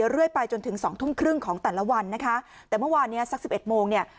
เรื่อยไปจนถึงสองทุ่มครึ่งของแต่ละวันนะคะแต่เมื่อวานเนี้ยสักสิบเอ็ดโมงเนี่ย